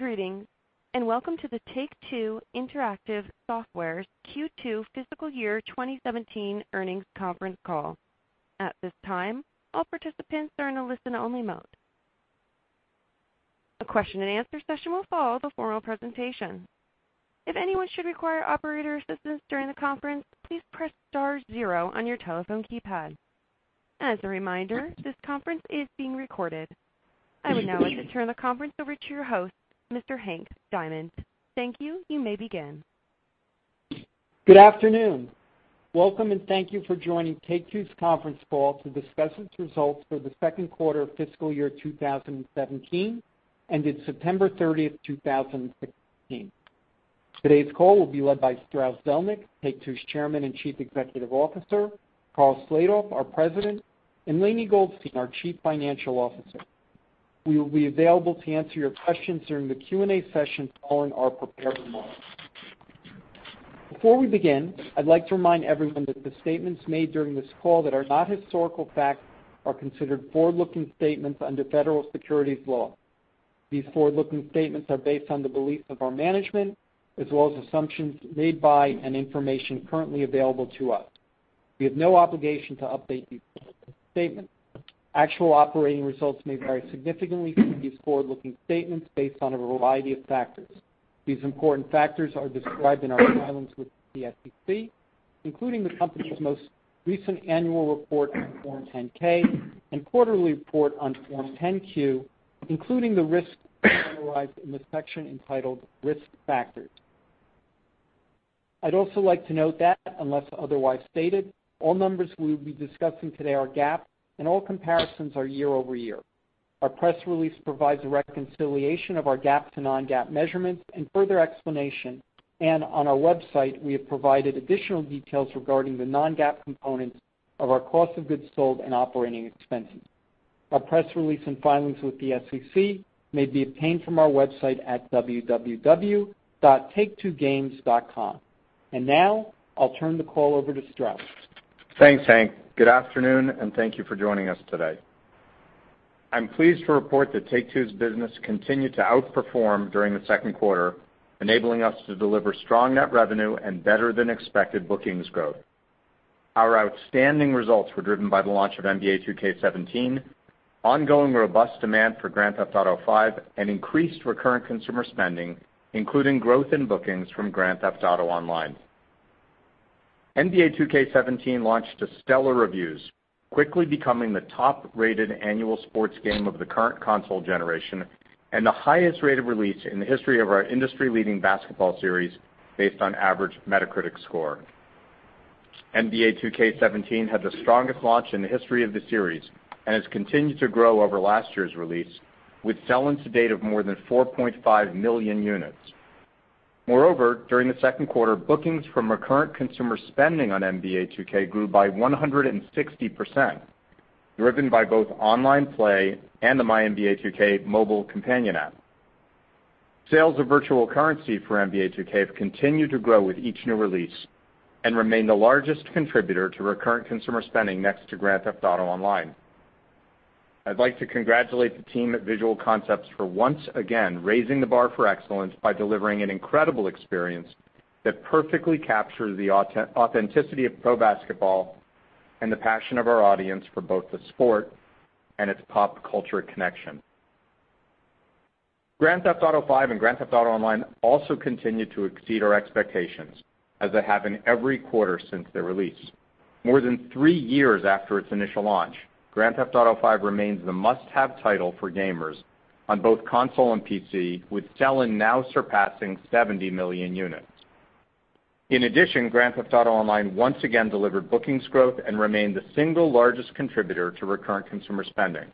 Greetings, welcome to the Take-Two Interactive Software's Q2 fiscal year 2017 earnings conference call. At this time, all participants are in a listen-only mode. A question and answer session will follow the formal presentation. If anyone should require operator assistance during the conference, please press star zero on your telephone keypad. As a reminder, this conference is being recorded. I would now like to turn the conference over to your host, Mr. Hank Diamond. Thank you. You may begin. Good afternoon. Welcome, thank you for joining Take-Two's conference call to discuss its results for the second quarter of fiscal year 2017, ended September 30th, 2016. Today's call will be led by Strauss Zelnick, Take-Two's Chairman and Chief Executive Officer, Karl Slatoff, our President, and Lainie Goldstein, our Chief Financial Officer. We will be available to answer your questions during the Q&A session following our prepared remarks. Before we begin, I'd like to remind everyone that the statements made during this call that are not historical facts are considered forward-looking statements under federal securities law. These forward-looking statements are based on the beliefs of our management, as well as assumptions made by and information currently available to us. We have no obligation to update these statements. Actual operating results may vary significantly from these forward-looking statements based on a variety of factors. These important factors are described in our filings with the SEC, including the company's most recent annual report on Form 10-K and quarterly report on Form 10-Q, including the risks summarized in the section entitled Risk Factors. I'd also like to note that unless otherwise stated, all numbers we will be discussing today are GAAP, and all comparisons are year-over-year. Our press release provides a reconciliation of our GAAP to non-GAAP measurements and further explanation. On our website, we have provided additional details regarding the non-GAAP components of our cost of goods sold and operating expenses. Our press release and filings with the SEC may be obtained from our website at www.taketwogames.com. Now I'll turn the call over to Strauss. Thanks, Hank. Good afternoon, thank you for joining us today. I'm pleased to report that Take-Two's business continued to outperform during the second quarter, enabling us to deliver strong net revenue and better than expected bookings growth. Our outstanding results were driven by the launch of NBA 2K17, ongoing robust demand for Grand Theft Auto V, and increased Recurrent Consumer Spending, including growth in bookings from Grand Theft Auto Online. NBA 2K17 launched to stellar reviews, quickly becoming the top-rated annual sports game of the current console generation and the highest-rated release in the history of our industry-leading basketball series based on average Metacritic score. NBA 2K17 had the strongest launch in the history of the series and has continued to grow over last year's release, with sell-ins to date of more than 4.5 million units. During the second quarter, bookings from Recurrent Consumer Spending on NBA 2K grew by 160%, driven by both online play and the MyNBA 2K mobile companion app. Sales of virtual currency for NBA 2K have continued to grow with each new release and remain the largest contributor to Recurrent Consumer Spending next to "Grand Theft Auto Online." I'd like to congratulate the team at Visual Concepts for once again raising the bar for excellence by delivering an incredible experience that perfectly captures the authenticity of pro basketball and the passion of our audience for both the sport and its pop culture connection. "Grand Theft Auto V" and "Grand Theft Auto Online" also continued to exceed our expectations, as they have in every quarter since their release. More than three years after its initial launch, "Grand Theft Auto V" remains the must-have title for gamers on both console and PC, with sell-in now surpassing 70 million units. "Grand Theft Auto Online" once again delivered bookings growth and remained the single largest contributor to Recurrent Consumer Spending.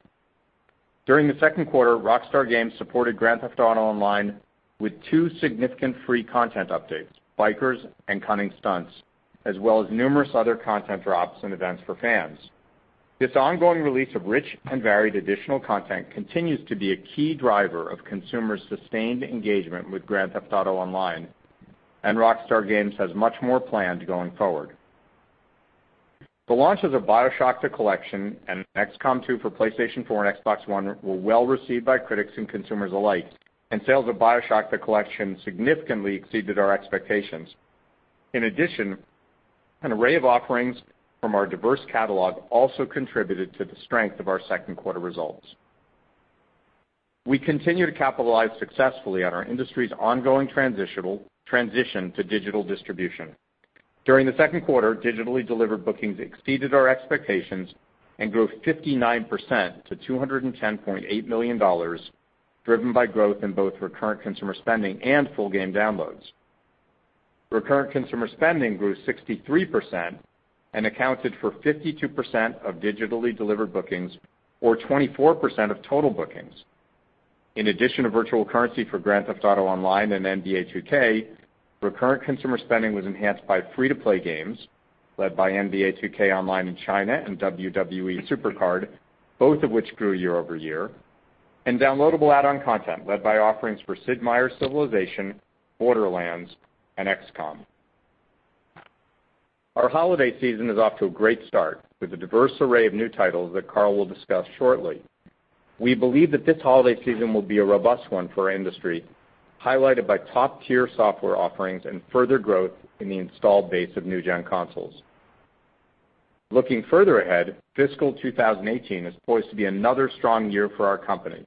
During the second quarter, Rockstar Games supported "Grand Theft Auto Online" with two significant free content updates, Bikers and Cunning Stunts, as well as numerous other content drops and events for fans. This ongoing release of rich and varied additional content continues to be a key driver of consumer sustained engagement with "Grand Theft Auto Online," and Rockstar Games has much more planned going forward. The launches of "BioShock: The Collection" and "XCOM 2" for PlayStation 4 and Xbox One were well received by critics and consumers alike, and sales of "BioShock: The Collection" significantly exceeded our expectations. An array of offerings from our diverse catalog also contributed to the strength of our second quarter results. We continue to capitalize successfully on our industry's ongoing transition to digital distribution. During the second quarter, digitally delivered bookings exceeded our expectations and grew 59% to $210.8 million, driven by growth in both Recurrent Consumer Spending and full game downloads. Recurrent Consumer Spending grew 63% and accounted for 52% of digitally delivered bookings or 24% of total bookings. To virtual currency for "Grand Theft Auto Online" and "NBA 2K," Recurrent Consumer Spending was enhanced by free-to-play games led by "NBA 2K Online" in China and "WWE SuperCard," both of which grew year-over-year, and downloadable add-on content led by offerings for "Sid Meier's Civilization," "Borderlands," and "XCOM." Our holiday season is off to a great start with a diverse array of new titles that Karl will discuss shortly. We believe that this holiday season will be a robust one for our industry, highlighted by top-tier software offerings and further growth in the installed base of new-gen consoles. Looking further ahead, fiscal 2018 is poised to be another strong year for our company.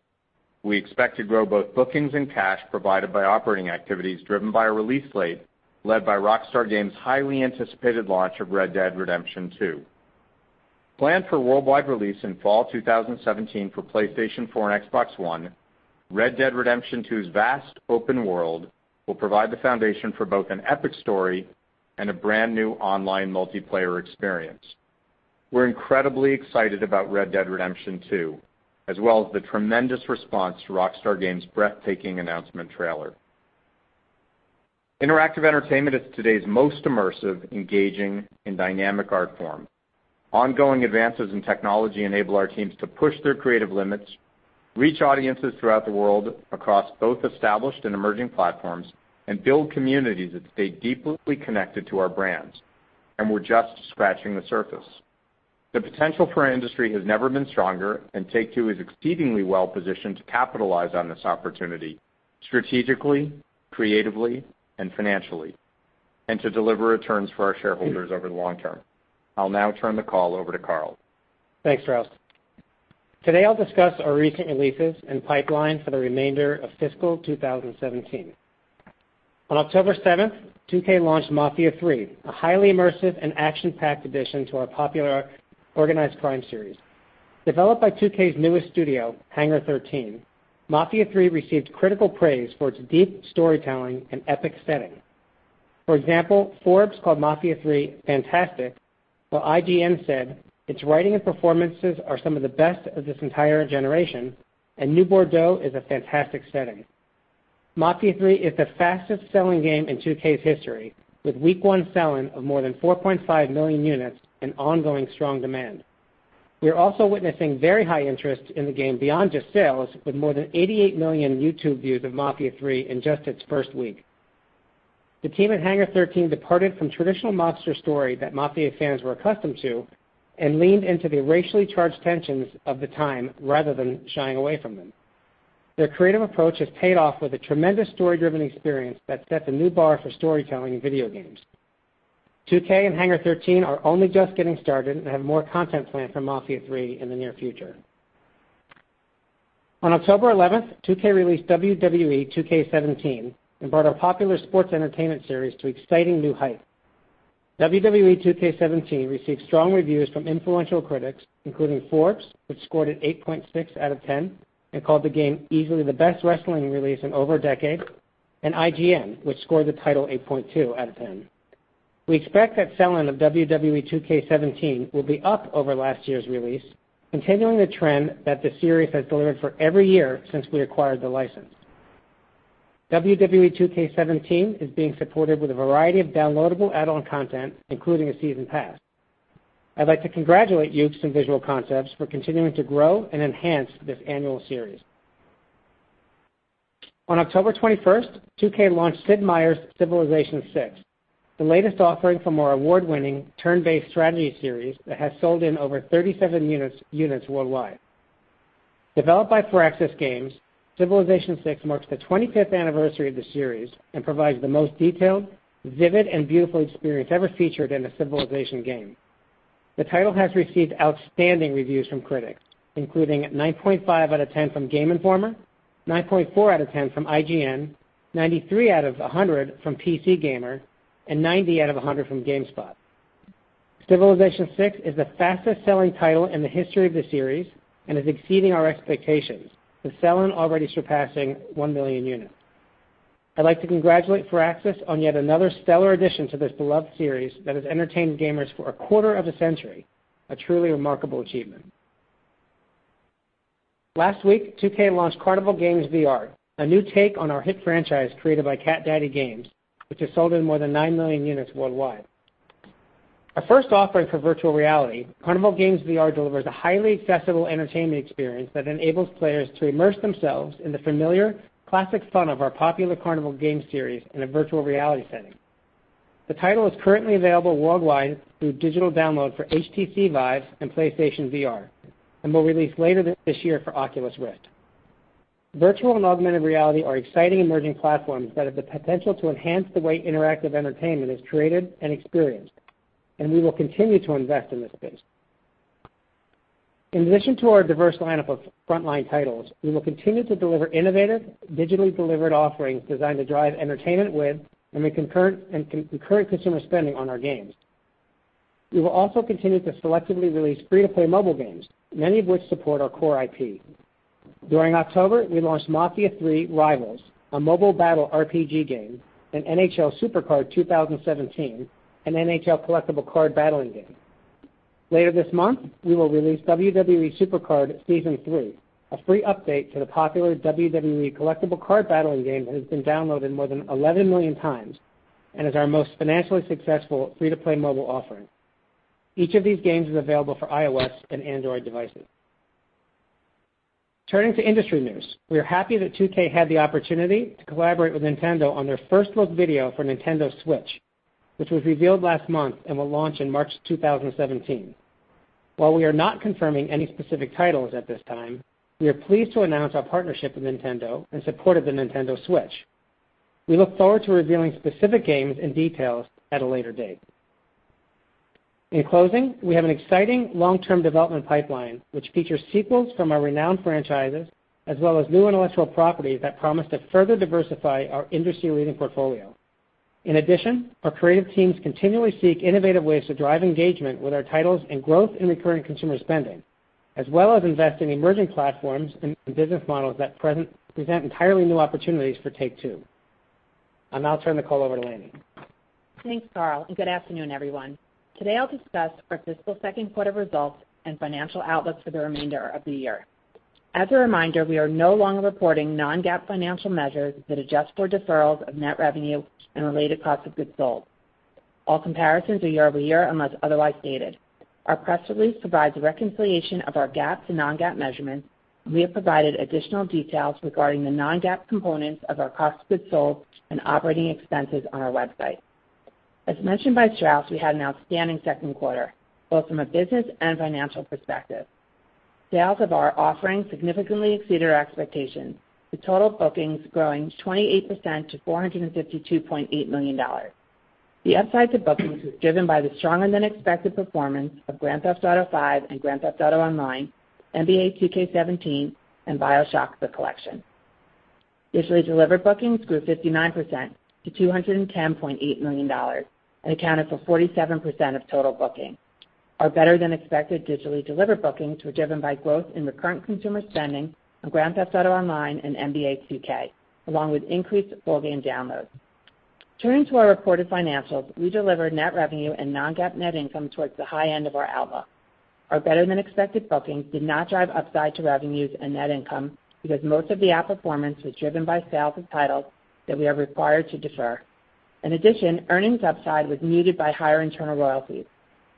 We expect to grow both bookings and cash provided by operating activities driven by a release slate led by Rockstar Games' highly anticipated launch of "Red Dead Redemption 2." Planned for worldwide release in fall 2017 for PlayStation 4 and Xbox One, "Red Dead Redemption 2's" vast open world will provide the foundation for both an epic story and a brand-new online multiplayer experience. We're incredibly excited about "Red Dead Redemption 2," as well as the tremendous response to Rockstar Games' breathtaking announcement trailer. Interactive entertainment is today's most immersive, engaging, and dynamic art form. Ongoing advances in technology enable our teams to push their creative limits, reach audiences throughout the world across both established and emerging platforms, and build communities that stay deeply connected to our brands, we're just scratching the surface. The potential for our industry has never been stronger, Take-Two is exceedingly well-positioned to capitalize on this opportunity strategically, creatively, and financially, and to deliver returns for our shareholders over the long term. I'll now turn the call over to Karl. Thanks, Strauss. Today, I'll discuss our recent releases and pipeline for the remainder of fiscal 2017. On October 7th, 2K launched "Mafia III," a highly immersive and action-packed addition to our popular organized crime series. Developed by 2K's newest studio, Hangar 13, "Mafia III" received critical praise for its deep storytelling and epic setting. For example, Forbes called "Mafia III" fantastic, while IGN said its writing and performances are some of the best of this entire generation, and New Bordeaux is a fantastic setting. "Mafia III" is the fastest-selling game in 2K's history, with week one selling of more than 4.5 million units and ongoing strong demand. We are also witnessing very high interest in the game beyond just sales, with more than 88 million YouTube views of "Mafia III" in just its first week. The team at Hangar 13 departed from traditional Mafia mobster story that Mafia fans were accustomed to and leaned into the racially charged tensions of the time rather than shying away from them. Their creative approach has paid off with a tremendous story-driven experience that sets a new bar for storytelling in video games. 2K and Hangar 13 are only just getting started and have more content planned for "Mafia III" in the near future. On October 11th, 2K released "WWE 2K17" and brought a popular sports entertainment series to exciting new heights. "WWE 2K17" received strong reviews from influential critics, including Forbes, which scored it 8.6 out of 10 and called the game easily the best wrestling release in over a decade, and IGN, which scored the title 8.2 out of 10. We expect that selling of "WWE 2K17" will be up over last year's release, continuing the trend that the series has delivered for every year since we acquired the license. "WWE 2K17" is being supported with a variety of downloadable add-on content, including a season pass. I'd like to congratulate Yuke's and Visual Concepts for continuing to grow and enhance this annual series. On October 21st, 2K launched "Sid Meier's Civilization VI," the latest offering from our award-winning turn-based strategy series that has sold in over 37 units worldwide. Developed by Firaxis Games, "Civilization VI" marks the 25th anniversary of the series and provides the most detailed, vivid, and beautiful experience ever featured in a Civilization game. The title has received outstanding reviews from critics, including 9.5 out of 10 from Game Informer, 9.4 out of 10 from IGN, 93 out of 100 from PC Gamer, and 90 out of 100 from GameSpot. "Civilization VI" is the fastest-selling title in the history of the series and is exceeding our expectations, with selling already surpassing 1 million units. I'd like to congratulate Firaxis on yet another stellar addition to this beloved series that has entertained gamers for a quarter of a century, a truly remarkable achievement. Last week, 2K launched "Carnival Games VR," a new take on our hit franchise created by Cat Daddy Games, which has sold in more than 9 million units worldwide. Our first offering for virtual reality, "Carnival Games VR" delivers a highly accessible entertainment experience that enables players to immerse themselves in the familiar, classic fun of our popular Carnival Games series in a virtual reality setting. The title is currently available worldwide through digital download for HTC Vive and PlayStation VR and will release later this year for Oculus Rift. Virtual and augmented reality are exciting emerging platforms that have the potential to enhance the way interactive entertainment is created and experienced, and we will continue to invest in this space. In addition to our diverse lineup of frontline titles, we will continue to deliver innovative, digitally delivered offerings designed to drive entertainment with and Recurrent Consumer Spending on our games. We will also continue to selectively release free-to-play mobile games, many of which support our core IP. During October, we launched "Mafia III: Rivals," a mobile battle RPG game, and "NHL SuperCard 2K17," an NHL collectible card battling game. Later this month, we will release "WWE SuperCard Season 3," a free update to the popular WWE collectible card battling game that has been downloaded more than 11 million times and is our most financially successful free-to-play mobile offering. Each of these games is available for iOS and Android devices. Turning to industry news. We are happy that 2K had the opportunity to collaborate with Nintendo on their first look video for Nintendo Switch, which was revealed last month and will launch in March 2017. While we are not confirming any specific titles at this time, we are pleased to announce our partnership with Nintendo in support of the Nintendo Switch. We look forward to revealing specific games and details at a later date. In closing, we have an exciting long-term development pipeline, which features sequels from our renowned franchises, as well as new intellectual property that promise to further diversify our industry-leading portfolio. In addition, our creative teams continually seek innovative ways to drive engagement with our titles and growth in Recurrent Consumer Spending, as well as invest in emerging platforms and business models that present entirely new opportunities for Take-Two. I'll now turn the call over to Lainie. Thanks, Karl, good afternoon, everyone. Today, I'll discuss our fiscal second quarter results and financial outlook for the remainder of the year. As a reminder, we are no longer reporting non-GAAP financial measures that adjust for deferrals of net revenue and related cost of goods sold. All comparisons are year-over-year, unless otherwise stated. Our press release provides a reconciliation of our GAAP to non-GAAP measurements. We have provided additional details regarding the non-GAAP components of our cost of goods sold and operating expenses on our website. As mentioned by Strauss, we had an outstanding second quarter, both from a business and financial perspective. Sales of our offerings significantly exceeded our expectations, with total bookings growing 28% to $452.8 million. The upside to bookings was driven by the stronger than expected performance of Grand Theft Auto V and Grand Theft Auto Online, NBA 2K17, and BioShock: The Collection. Digitally delivered bookings grew 59% to $210.8 million. Accounted for 47% of total bookings. Our better-than-expected digitally delivered bookings were driven by growth in Recurrent Consumer Spending on Grand Theft Auto Online and NBA 2K, along with increased full game downloads. Turning to our reported financials, we delivered net revenue and non-GAAP net income towards the high end of our outlook. Our better-than-expected bookings did not drive upside to revenues and net income because most of the outperformance was driven by sales of titles that we are required to defer. In addition, earnings upside was muted by higher internal royalties.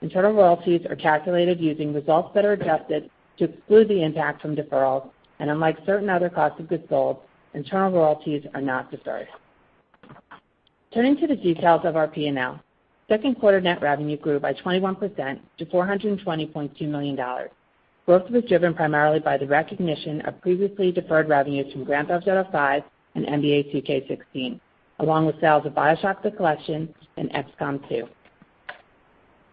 Internal royalties are calculated using results that are adjusted to exclude the impact from deferrals. Unlike certain other costs of goods sold, internal royalties are not deferred. Turning to the details of our P&L. Second quarter net revenue grew by 21% to $420.2 million. Growth was driven primarily by the recognition of previously deferred revenues from Grand Theft Auto V and NBA 2K16, along with sales of BioShock: The Collection and XCOM 2.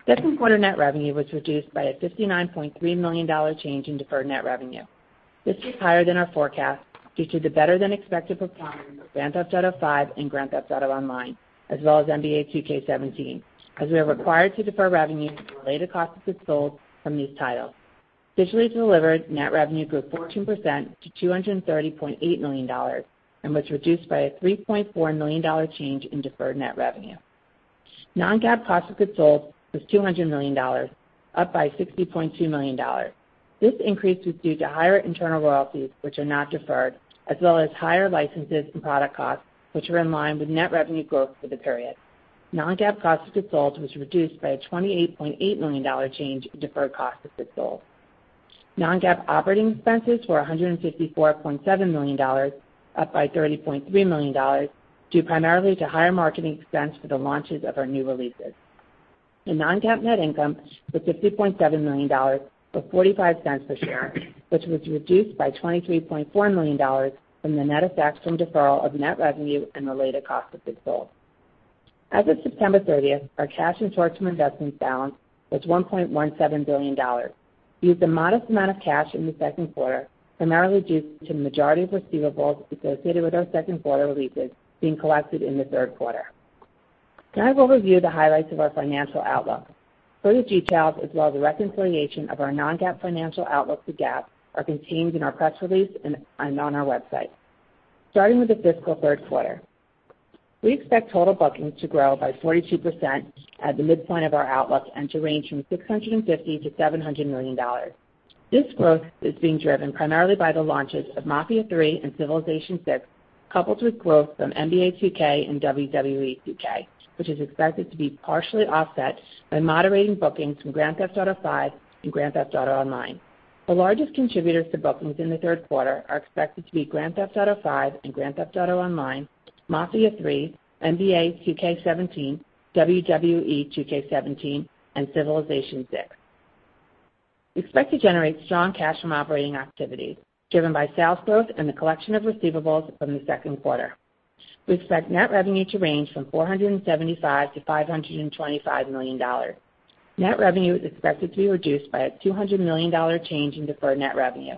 Second quarter net revenue was reduced by a $59.3 million change in deferred net revenue. This was higher than our forecast due to the better-than-expected performance of Grand Theft Auto V and Grand Theft Auto Online, as well as NBA 2K17, as we are required to defer revenue and related cost of goods sold from these titles. Digitally delivered net revenue grew 14% to $230.8 million. Was reduced by a $3.4 million change in deferred net revenue. Non-GAAP cost of goods sold was $200 million, up by $60.2 million. This increase was due to higher internal royalties, which are not deferred, as well as higher licenses and product costs, which were in line with net revenue growth for the period. Non-GAAP cost of goods sold was reduced by a $28.8 million change in deferred cost of goods sold. Non-GAAP operating expenses were $154.7 million, up by $30.3 million, due primarily to higher marketing expense for the launches of our new releases. The non-GAAP net income was $50.7 million, or $0.45 per share, which was reduced by $23.4 million from the net effect from deferral of net revenue and related cost of goods sold. As of September 30th, our cash and short-term investments balance was $1.17 billion. We used a modest amount of cash in the second quarter, primarily due to the majority of receivables associated with our second quarter releases being collected in the third quarter. I will review the highlights of our financial outlook. Further details, as well as a reconciliation of our non-GAAP financial outlook to GAAP, are contained in our press release and on our website. Starting with the fiscal third quarter. We expect total bookings to grow by 42% at the midpoint of our outlook and to range from $650 million-$700 million. This growth is being driven primarily by the launches of Mafia III and Civilization VI, coupled with growth from NBA 2K and WWE 2K, which is expected to be partially offset by moderating bookings from Grand Theft Auto V and Grand Theft Auto Online. The largest contributors to bookings in the third quarter are expected to be Grand Theft Auto V and Grand Theft Auto Online, Mafia III, NBA 2K17, WWE 2K17, and Civilization VI. We expect to generate strong cash from operating activities, driven by sales growth and the collection of receivables from the second quarter. We expect net revenue to range from $475 million-$525 million. Net revenue is expected to be reduced by a $200 million change in deferred net revenue.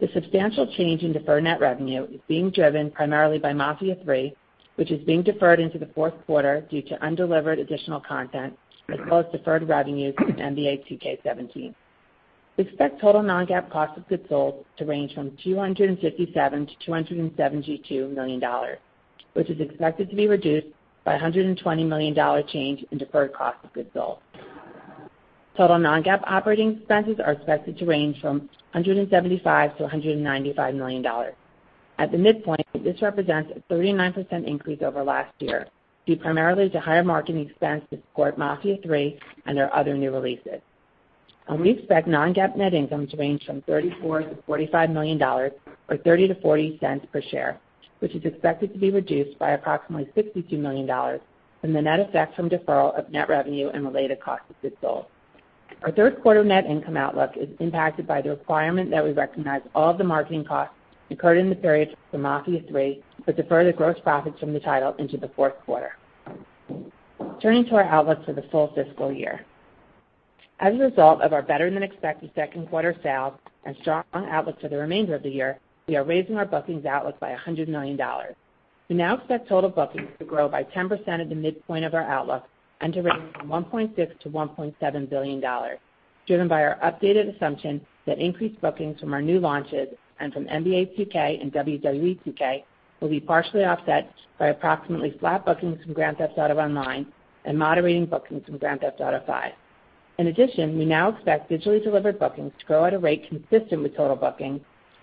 The substantial change in deferred net revenue is being driven primarily by Mafia III, which is being deferred into the fourth quarter due to undelivered additional content, as well as deferred revenues from NBA 2K17. We expect total non-GAAP cost of goods sold to range from $257 million-$272 million, which is expected to be reduced by $120 million change in deferred cost of goods sold. Total non-GAAP operating expenses are expected to range from $175 million-$195 million. At the midpoint, this represents a 39% increase over last year, due primarily to higher marketing expense to support Mafia III and our other new releases. We expect non-GAAP net income to range from $34 million-$45 million or $0.30-$0.40 per share, which is expected to be reduced by approximately $62 million from the net effect from deferral of net revenue and related cost of goods sold. Our third quarter net income outlook is impacted by the requirement that we recognize all of the marketing costs incurred in the period for Mafia III, but defer the gross profits from the title into the fourth quarter. Turning to our outlook for the full fiscal year. As a result of our better-than-expected second quarter sales and strong outlook for the remainder of the year, we are raising our bookings outlook by $100 million. We now expect total bookings to grow by 10% at the midpoint of our outlook and to range from $1.6 billion-$1.7 billion, driven by our updated assumption that increased bookings from our new launches and from "NBA 2K" and "WWE 2K" will be partially offset by approximately flat bookings from "Grand Theft Auto Online" and moderating bookings from "Grand Theft Auto V." We now expect digitally delivered bookings to grow at a rate consistent with total bookings,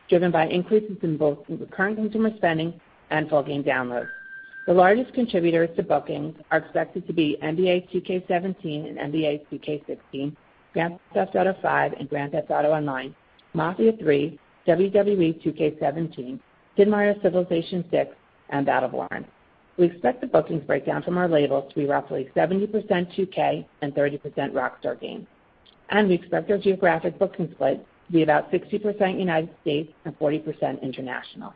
driven by increases in both Recurrent Consumer Spending and full game downloads. The largest contributors to bookings are expected to be "NBA 2K17" and "NBA 2K16," "Grand Theft Auto V" and "Grand Theft Auto Online," "Mafia III," "WWE 2K17," Sid Meier's "Civilization VI," and "Battleborn." We expect the bookings breakdown from our labels to be roughly 70% 2K and 30% Rockstar Games. We expect our geographic booking split to be about 60% U.S. and 40% international.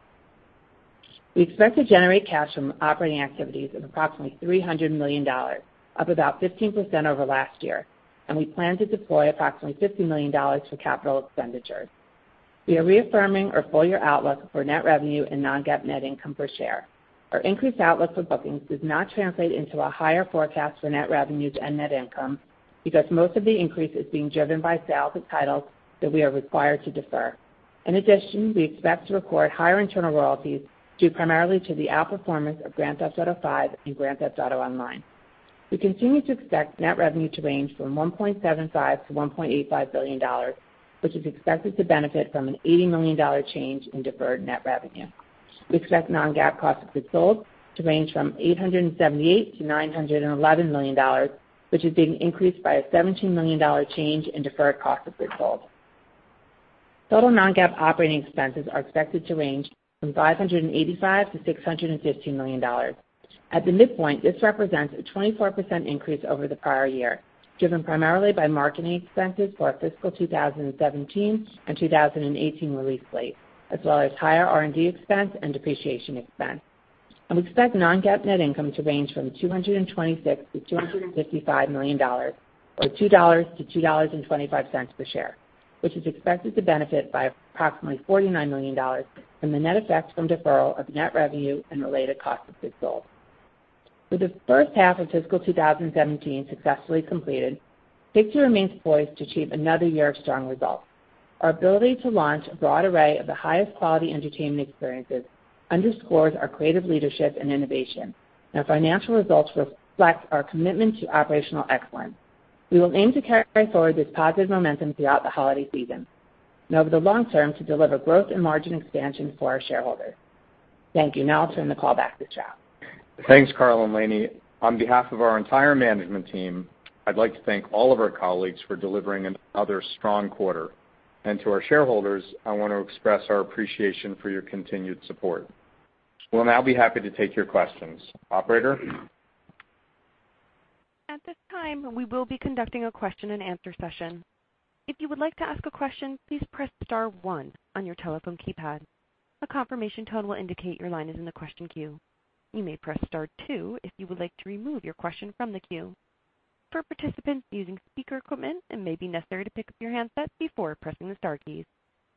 We expect to generate cash from operating activities of approximately $300 million, up about 15% over last year, and we plan to deploy approximately $50 million for capital expenditures. We are reaffirming our full year outlook for net revenue and non-GAAP net income per share. Our increased outlook for bookings does not translate into a higher forecast for net revenues and net income because most of the increase is being driven by sales of titles that we are required to defer. We expect to record higher internal royalties due primarily to the outperformance of "Grand Theft Auto V" and "Grand Theft Auto Online." We continue to expect net revenue to range from $1.75 billion-$1.85 billion, which is expected to benefit from an $80 million change in deferred net revenue. We expect non-GAAP cost of goods sold to range from $878 million-$911 million, which is being increased by a $17 million change in deferred cost of goods sold. Total non-GAAP operating expenses are expected to range from $585 million-$615 million. At the midpoint, this represents a 24% increase over the prior year, driven primarily by marketing expenses for our fiscal 2017 and 2018 release slate, as well as higher R&D expense and depreciation expense. We expect non-GAAP net income to range from $226 million-$255 million, or $2-$2.25 per share, which is expected to benefit by approximately $49 million from the net effect from deferral of net revenue and related cost of goods sold. With the first half of fiscal 2017 successfully completed, Take-Two remains poised to achieve another year of strong results. Our ability to launch a broad array of the highest quality entertainment experiences underscores our creative leadership and innovation, and our financial results reflect our commitment to operational excellence. We will aim to carry forward this positive momentum throughout the holiday season and over the long term to deliver growth and margin expansion for our shareholders. Thank you. Now I'll turn the call back to Strauss. Thanks, Karl and Lainie. On behalf of our entire management team, I'd like to thank all of our colleagues for delivering another strong quarter. To our shareholders, I want to express our appreciation for your continued support. We'll now be happy to take your questions. Operator. At this time, we will be conducting a question and answer session. If you would like to ask a question, please press star one on your telephone keypad. A confirmation tone will indicate your line is in the question queue. You may press star two if you would like to remove your question from the queue. For participants using speaker equipment, it may be necessary to pick up your handset before pressing the star keys.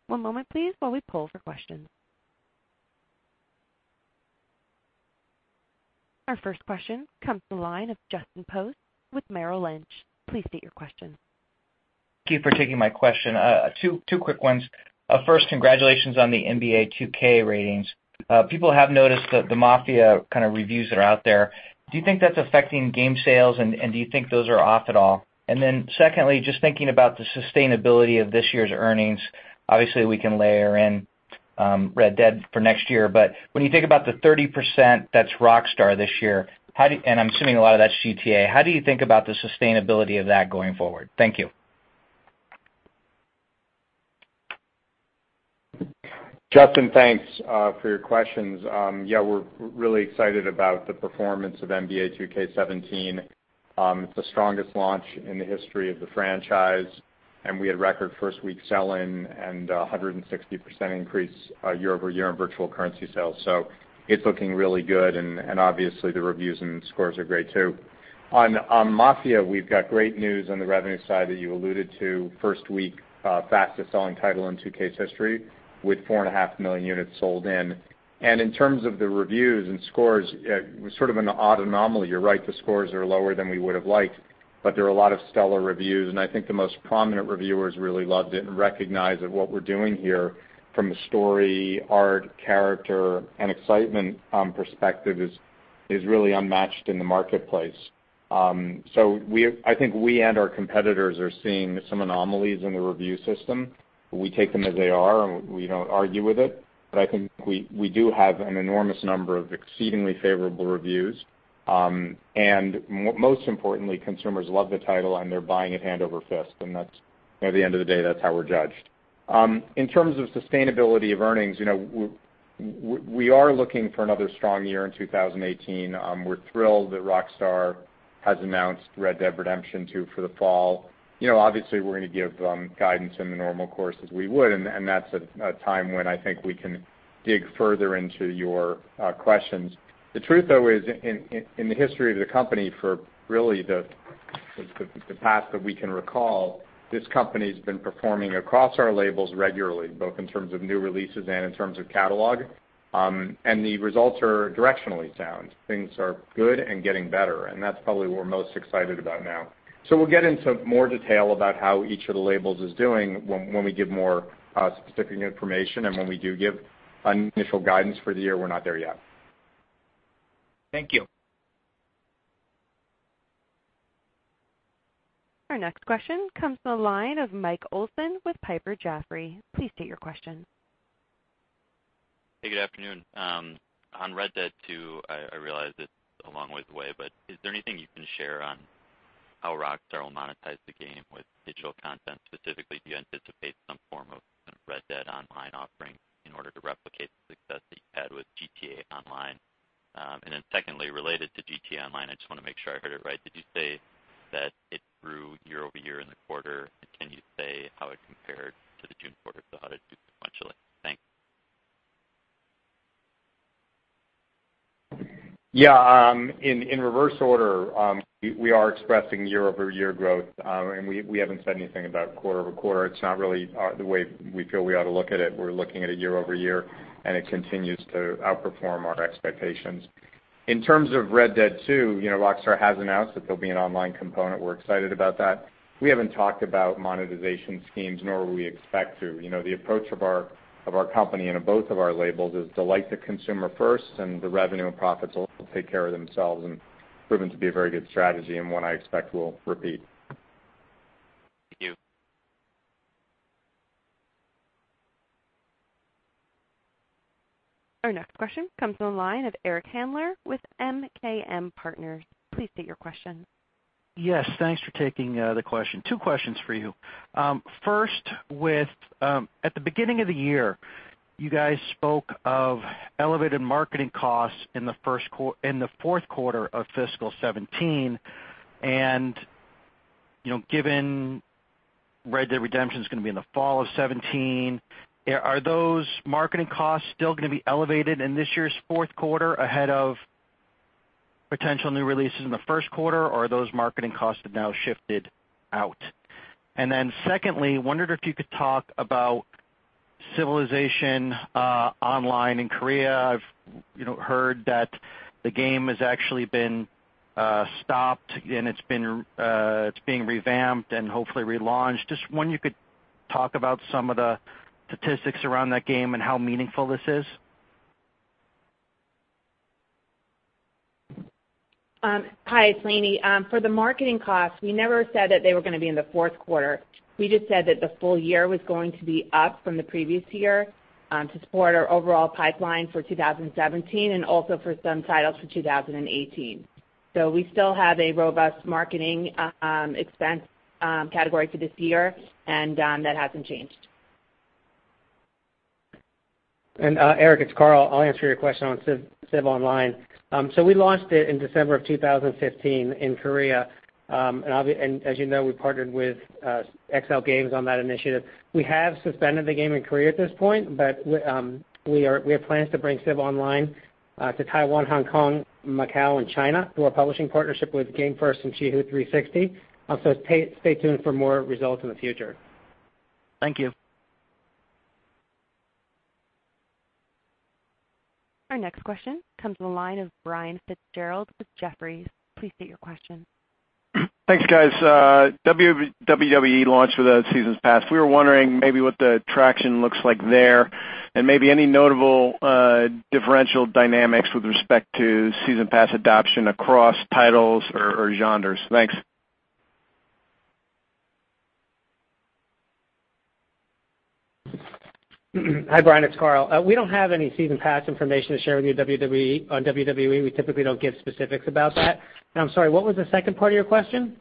One moment, please, while we poll for questions. Our first question comes from the line of Justin Post with Merrill Lynch. Please state your question. Thank you for taking my question. Two quick ones. First, congratulations on the NBA 2K ratings. People have noticed the Mafia reviews that are out there. Do you think that's affecting game sales, and do you think those are off at all? Secondly, just thinking about the sustainability of this year's earnings, obviously we can layer in Red Dead for next year, but when you think about the 30% that's Rockstar this year, and I'm assuming a lot of that's GTA, how do you think about the sustainability of that going forward? Thank you. Justin, thanks for your questions. Yeah, we're really excited about the performance of NBA 2K17. It's the strongest launch in the history of the franchise, and we had record first week sell-in and 160% increase year-over-year on virtual currency sales. It's looking really good, and obviously, the reviews and scores are great, too. On Mafia, we've got great news on the revenue side that you alluded to. First week, fastest selling title in 2K's history with four and a half million units sold in. In terms of the reviews and scores, it was sort of an odd anomaly. You're right, the scores are lower than we would have liked. There are a lot of stellar reviews, I think the most prominent reviewers really loved it and recognize that what we're doing here from a story, art, character, and excitement perspective is really unmatched in the marketplace. I think we and our competitors are seeing some anomalies in the review system. We take them as they are, we don't argue with it. I think we do have an enormous number of exceedingly favorable reviews. Most importantly, consumers love the title, they're buying it hand over fist, at the end of the day, that's how we're judged. In terms of sustainability of earnings, we are looking for another strong year in 2018. We're thrilled that Rockstar has announced "Red Dead Redemption 2" for the fall. Obviously, we're going to give guidance in the normal course as we would. That's a time when I think we can dig further into your questions. The truth, though, is in the history of the company, for really the past that we can recall, this company's been performing across our labels regularly, both in terms of new releases and in terms of catalog. The results are directionally sound. Things are good and getting better, that's probably what we're most excited about now. We'll get into more detail about how each of the labels is doing when we give more specific information and when we do give initial guidance for the year. We're not there yet. Thank you. Our next question comes from the line of Mike Olson with Piper Jaffray. Please state your question. Hey, good afternoon. On "Red Dead 2," I realize it's a long ways away. Is there anything you can share on how Rockstar will monetize the game with digital content? Specifically, do you anticipate some form of Red Dead Online offering in order to replicate the success that you've had with GTA Online? Secondly, related to GTA Online, I just want to make sure I heard it right. Did you say that it grew year-over-year in the quarter? Can you say how it compared to the June quarter, how it's doing sequentially? Thanks. Yeah. In reverse order, we are expressing year-over-year growth. We haven't said anything about quarter-over-quarter. It's not really the way we feel we ought to look at it. We're looking at it year-over-year. It continues to outperform our expectations. In terms of "Red Dead 2," Rockstar has announced that there'll be an online component. We're excited about that. We haven't talked about monetization schemes, nor will we expect to. The approach of our company and of both of our labels is delight the consumer first. The revenue and profits will take care of themselves. Proven to be a very good strategy and one I expect will repeat. Thank you. Our next question comes from the line of Eric Handler with MKM Partners. Please state your question. Yes. Thanks for taking the question. Two questions for you. First, at the beginning of the year, you guys spoke of elevated marketing costs in the fourth quarter of fiscal 2017, given Red Dead Redemption is going to be in the fall of 2017, are those marketing costs still going to be elevated in this year's fourth quarter ahead of potential new releases in the first quarter, or are those marketing costs now shifted out? Secondly, wondered if you could talk about Civilization Online in Korea. I've heard that the game has actually been stopped and it's being revamped and hopefully relaunched. Just wonder if you could talk about some of the statistics around that game and how meaningful this is. Hi, it's Lainie. For the marketing costs, we never said that they were going to be in the fourth quarter. We just said that the full year was going to be up from the previous year to support our overall pipeline for 2017 and also for some titles for 2018. We still have a robust marketing expense category for this year, and that hasn't changed. Eric, it's Karl. I'll answer your question on Civ Online. We launched it in December of 2015 in Korea. As you know, we partnered with XL Games on that initiative. We have suspended the game in Korea at this point, but we have plans to bring Civ Online to Taiwan, Hong Kong, Macau, and China through our publishing partnership with Game First and Qihoo 360. Stay tuned for more results in the future. Thank you. Our next question comes from the line of Brian Fitzgerald with Jefferies. Please state your question. Thanks, guys. WWE launch with a season pass. We were wondering maybe what the traction looks like there and maybe any notable differential dynamics with respect to season pass adoption across titles or genres. Thanks. Hi, Brian, it's Karl. We don't have any season pass information to share with you on WWE. We typically don't give specifics about that. I'm sorry, what was the second part of your question?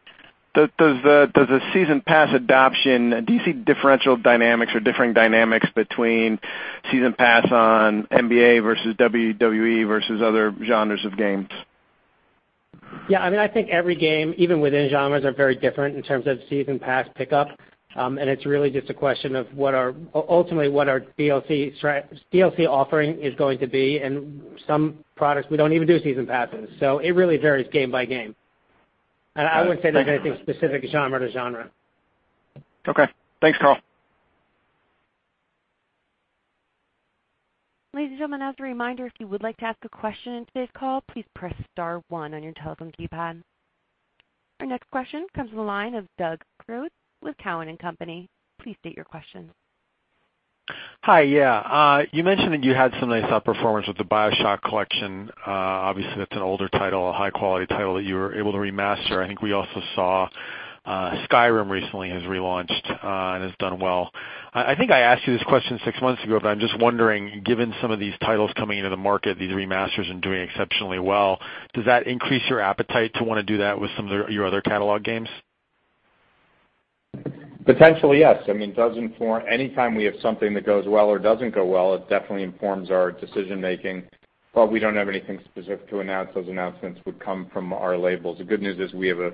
Does the season pass adoption, do you see differential dynamics or differing dynamics between season pass on NBA versus WWE versus other genres of games? Yeah. I think every game, even within genres, are very different in terms of season pass pickup. It's really just a question of ultimately what our DLC offering is going to be. Some products we don't even do season passes. It really varies game by game. I wouldn't say there's anything specific genre to genre. Okay. Thanks, Karl. Ladies and gentlemen, as a reminder, if you would like to ask a question in today's call, please press star one on your telephone keypad. Our next question comes from the line of Doug Creutz with Cowen and Company. Please state your question. Hi. Yeah. You mentioned that you had some nice outperformance with the BioShock collection. Obviously, that's an older title, a high-quality title that you were able to remaster. I think we also saw Skyrim recently has relaunched and has done well. I think I asked you this question six months ago. I'm just wondering, given some of these titles coming into the market, these remasters, and doing exceptionally well, does that increase your appetite to want to do that with some of your other catalog games? Potentially, yes. Anytime we have something that goes well or doesn't go well, it definitely informs our decision-making. We don't have anything specific to announce. Those announcements would come from our labels. The good news is we have a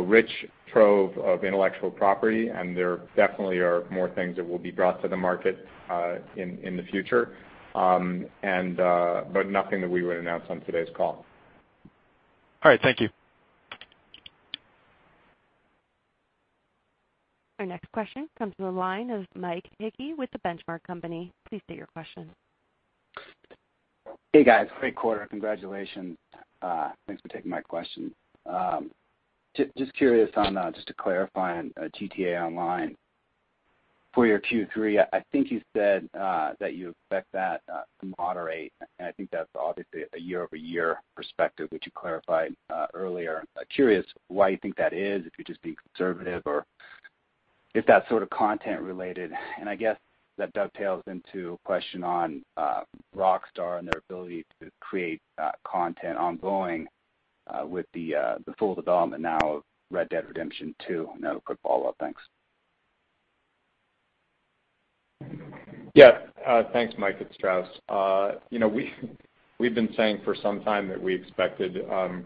rich trove of intellectual property, and there definitely are more things that will be brought to the market in the future. Nothing that we would announce on today's call. All right. Thank you. Our next question comes from the line of Mike Hickey with The Benchmark Company. Please state your question. Hey, guys. Great quarter. Congratulations. Thanks for taking my question. Just to clarify on GTA Online for your Q3, I think you said that you expect that to moderate, and I think that's obviously a year-over-year perspective, which you clarified earlier. Curious why you think that is, if you're just being conservative or if that's sort of content related, and I guess that dovetails into a question on Rockstar Games and their ability to create content ongoing with the full development now of Red Dead Redemption 2. A quick follow-up. Thanks. Yeah. Thanks, Mike. It's Strauss. We've been saying for some time that we expected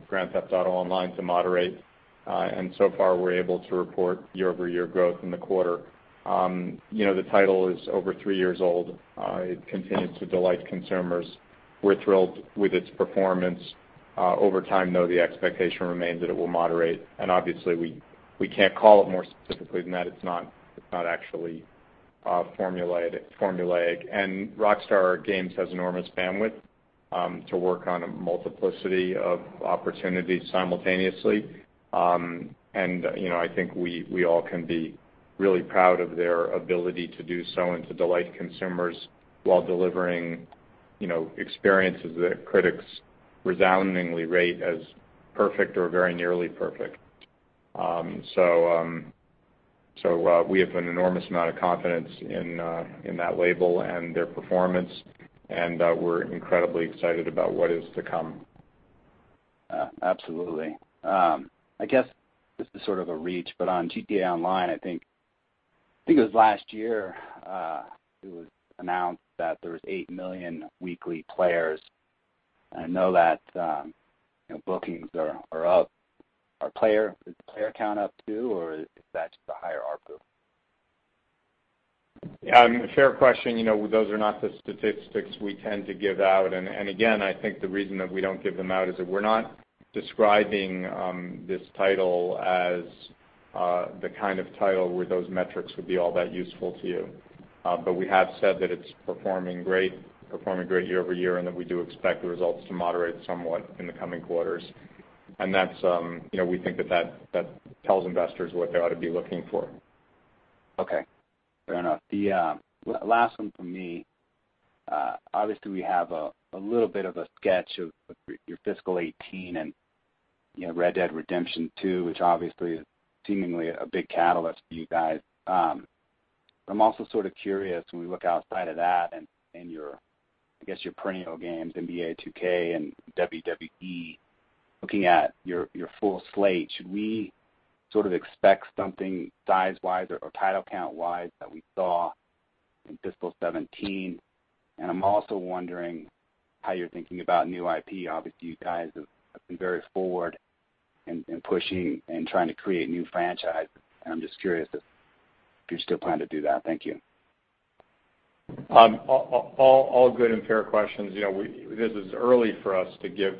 Grand Theft Auto Online to moderate, and so far we're able to report year-over-year growth in the quarter. The title is over three years old. It continues to delight consumers. We're thrilled with its performance. Over time, though, the expectation remains that it will moderate, and obviously we can't call it more specifically than that. It's not actually formulaic. Rockstar Games has enormous bandwidth to work on a multiplicity of opportunities simultaneously. I think we all can be really proud of their ability to do so and to delight consumers while delivering experiences that critics resoundingly rate as perfect or very nearly perfect. We have an enormous amount of confidence in that label and their performance, and we're incredibly excited about what is to come. Absolutely. I guess this is sort of a reach, but on GTA Online, I think it was last year it was announced that there was eight million weekly players. I know that bookings are up. Is the player count up too, or is that just the higher ARPU? Yeah, fair question. Those are not the statistics we tend to give out. Again, I think the reason that we don't give them out is that we're not describing this title as the kind of title where those metrics would be all that useful to you. We have said that it's performing great year-over-year, and that we do expect the results to moderate somewhat in the coming quarters. We think that tells investors what they ought to be looking for. Okay. Fair enough. The last one from me. Obviously, we have a little bit of a sketch of your fiscal 2018 and Red Dead Redemption 2, which obviously is seemingly a big catalyst for you guys. I'm also sort of curious, when we look outside of that and your perennial games, NBA 2K and WWE, looking at your full slate, should we sort of expect something size-wise or title count-wise that we saw in fiscal 2017? I'm also wondering how you're thinking about new IP. Obviously, you guys have been very forward in pushing and trying to create new franchises, and I'm just curious if you still plan to do that. Thank you. All good and fair questions. This is early for us to give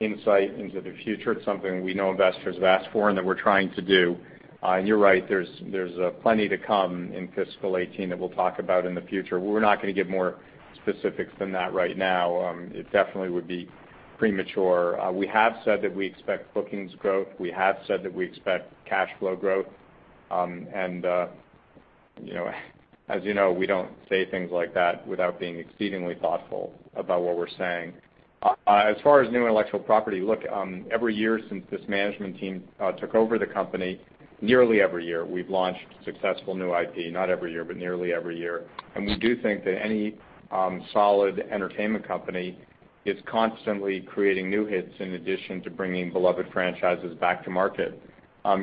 insight into the future. It's something we know investors have asked for and that we're trying to do. You're right, there's plenty to come in fiscal 2018 that we'll talk about in the future. We're not going to give more specifics than that right now. It definitely would be premature. We have said that we expect bookings growth. We have said that we expect cash flow growth. As you know, we don't say things like that without being exceedingly thoughtful about what we're saying. As far as new intellectual property, look, every year since this management team took over the company, nearly every year, we've launched successful new IP. Not every year, but nearly every year. We do think that any solid entertainment company is constantly creating new hits in addition to bringing beloved franchises back to market.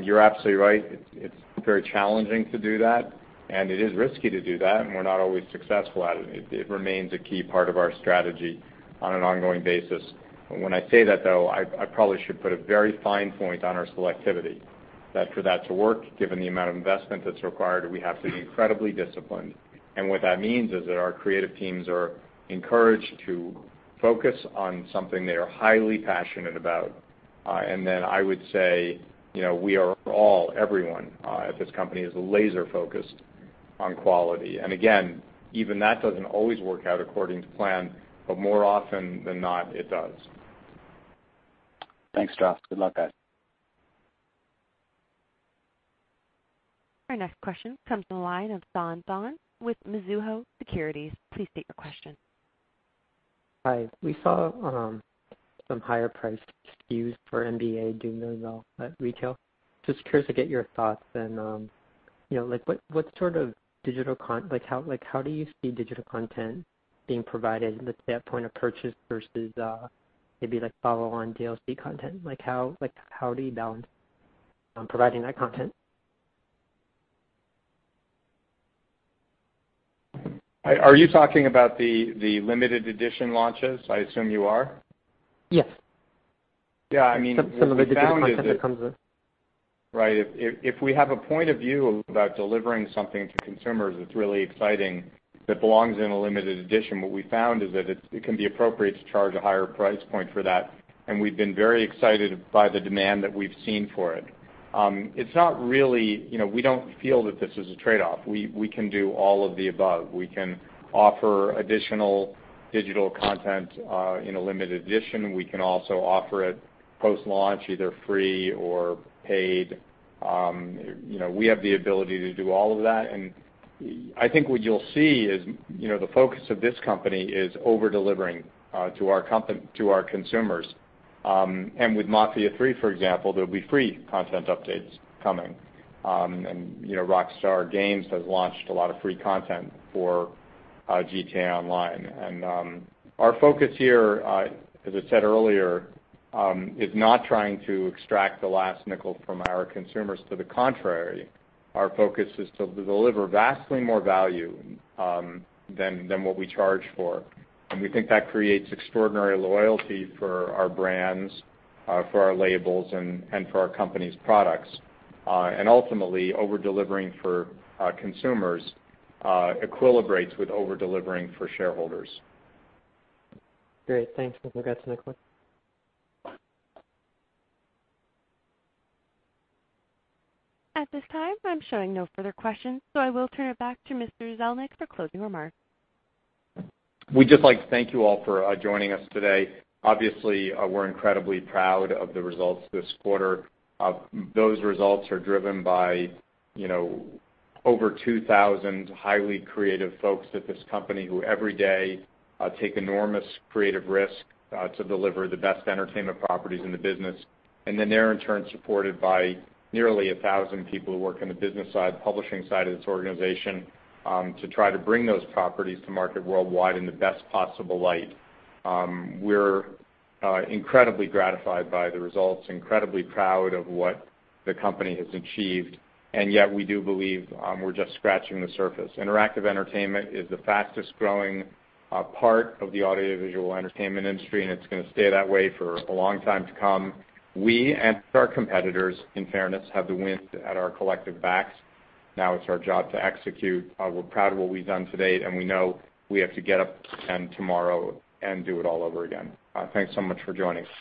You're absolutely right. It's very challenging to do that, and it is risky to do that, and we're not always successful at it. It remains a key part of our strategy on an ongoing basis. When I say that, though, I probably should put a very fine point on our selectivity. That for that to work, given the amount of investment that's required, we have to be incredibly disciplined. What that means is that our creative teams are encouraged to focus on something they are highly passionate about. Then I would say we are all, everyone at this company is laser-focused on quality. Again, even that doesn't always work out according to plan, but more often than not, it does. Thanks, Strauss. Good luck, guys. Our next question comes from the line of San Phan with Mizuho Securities. Please state your question. Hi. We saw some higher priced SKUs for NBA doing those all at retail. Just curious to get your thoughts and how do you see digital content being provided at that point of purchase versus maybe follow-on DLC content? How do you balance providing that content? Are you talking about the limited edition launches? I assume you are. Yes. Yeah. Some of the digital content that comes with it. Right. If we have a point of view about delivering something to consumers that's really exciting, that belongs in a limited edition, what we've found is that it can be appropriate to charge a higher price point for that, and we've been very excited by the demand that we've seen for it. We don't feel that this is a trade-off. We can do all of the above. We can offer additional digital content in a limited edition. We can also offer it post-launch, either free or paid. We have the ability to do all of that, and I think what you'll see is the focus of this company is over-delivering to our consumers. With Mafia III, for example, there'll be free content updates coming. Rockstar Games has launched a lot of free content for GTA Online. Our focus here, as I said earlier, is not trying to extract the last nickel from our consumers. To the contrary, our focus is to deliver vastly more value than what we charge for. We think that creates extraordinary loyalty for our brands, for our labels, and for our company's products. Ultimately, over-delivering for consumers equilibrates with over-delivering for shareholders. Great. Thanks. We'll get to the next one. At this time, I'm showing no further questions. I will turn it back to Mr. Zelnick for closing remarks. We'd just like to thank you all for joining us today. Obviously, we're incredibly proud of the results this quarter. Those results are driven by over 2,000 highly creative folks at this company who every day take enormous creative risk to deliver the best entertainment properties in the business. They're in turn supported by nearly 1,000 people who work in the business side, publishing side of this organization to try to bring those properties to market worldwide in the best possible light. We're incredibly gratified by the results, incredibly proud of what the company has achieved. Yet we do believe we're just scratching the surface. Interactive entertainment is the fastest growing part of the audiovisual entertainment industry. It's going to stay that way for a long time to come. We and our competitors, in fairness, have the wind at our collective backs. Now it's our job to execute. We're proud of what we've done to date, and we know we have to get up and tomorrow and do it all over again. Thanks so much for joining us.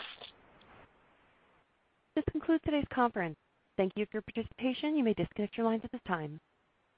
This concludes today's conference. Thank you for your participation. You may disconnect your lines at this time.